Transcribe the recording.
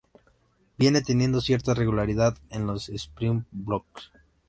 Viene teniendo cierta regularidad en los Springboks.